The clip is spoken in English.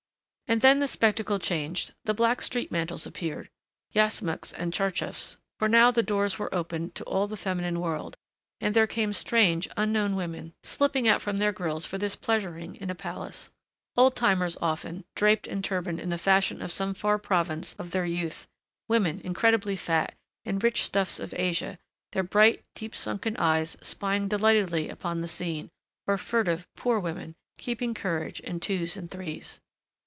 And then the spectacle changed, the black street mantles appeared, yashmaks and tcharchafs, for now the doors were opened to all the feminine world, and there came strange, unknown women, slipping out from their grills for this pleasuring in a palace, old timers often, draped and turbaned in the fashion of some far province of their youth; women, incredibly fat, in rich stuffs of Asia, their bright, deep sunken eyes spying delightedly upon the scene, or furtive, poor women, keeping courage in twos and threes.